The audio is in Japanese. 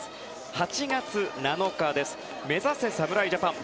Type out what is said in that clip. ８月７日、目指せ侍ジャパン！